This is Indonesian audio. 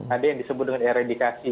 ada yang disebut dengan eredikasi